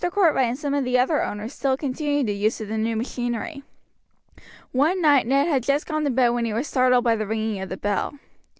Cartwright and some of the other owners still continued the use of the new machinery. One night Ned had just gone to bed when he was startled by the ringing of the bell.